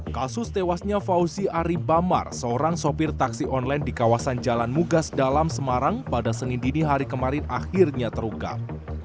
kasus tewasnya fauzi aribamar seorang sopir taksi online di kawasan jalan mugas dalam semarang pada senin dini hari kemarin akhirnya terungkap